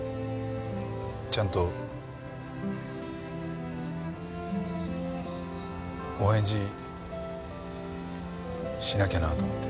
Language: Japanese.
ちゃんとお返事しなきゃなと思って。